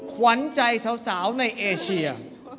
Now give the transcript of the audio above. ขวัญใจสาวในเอเชีย